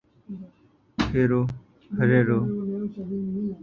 ہریرو